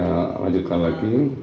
saya lanjutkan lagi